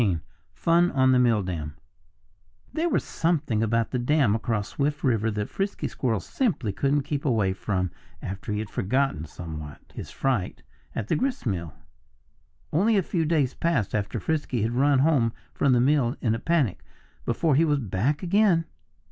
XIII Fun on the Milldam There was something about the dam across Swift River that Frisky Squirrel simply couldn't keep away from after he had forgotten, somewhat, his fright at the gristmill. Only a few days passed after Frisky had run home from the mill in a panic, before he was back again.